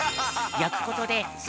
やくことです